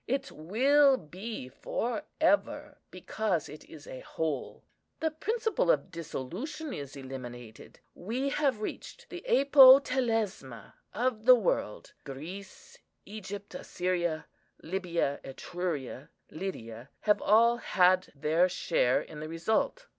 It will be for ever, because it is a whole. The principle of dissolution is eliminated. We have reached the apotelesma of the world. Greece, Egypt, Assyria, Libya, Etruria, Lydia, have all had their share in the result.